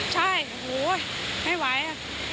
ใช่โอ้โฮไม่ไหว